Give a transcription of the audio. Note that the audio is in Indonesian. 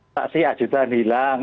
tak siap jutaan hilang